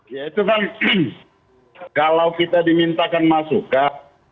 ya itu kan kalau kita dimintakan masukan